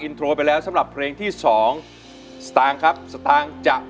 โทรไปแล้วสำหรับเพลงที่สองสตางค์ครับสตางค์จะ